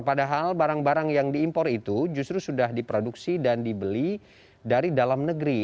padahal barang barang yang diimpor itu justru sudah diproduksi dan dibeli dari dalam negeri